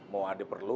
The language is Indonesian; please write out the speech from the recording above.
mau ada perlu